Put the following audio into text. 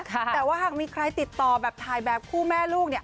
แต่ว่าหากมีใครติดต่อแบบถ่ายแบบคู่แม่ลูกเนี่ย